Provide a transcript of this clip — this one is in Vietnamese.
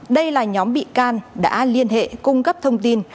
đây là nhóm bị can đã liên hệ cung cấp thông tin